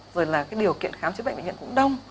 rồi là cái điều kiện khám chữa bệnh bệnh viện cũng đông